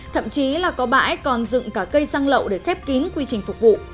thậm chí là có bãi còn dựng cả cây xăng lậu để khép kín quy trình phục vụ